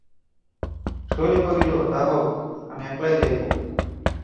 শৈল কহিল, তা হোক, আমি একলাই যাইব।